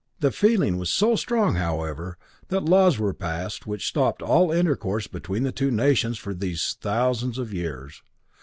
The feeling was so strong, however, that laws were passed which stopped all intercourse between the two nations for these thousands of years.